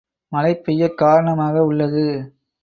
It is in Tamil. மழை பெய்யக் காரணமாக உள்ளது.